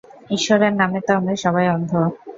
ঈশ্বরের নামে তো আমরা সবাই অন্ধ।